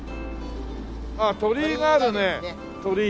あっ鳥居があるね鳥居。